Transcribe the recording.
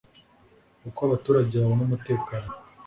uko abaturage babona umutekano